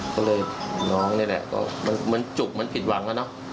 ก็เลยน้องนี่แหละก็เหมือนจุกเหมือนผิดหวังอะเนาะ